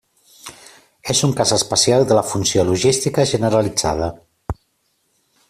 És un cas especial de la funció logística generalitzada.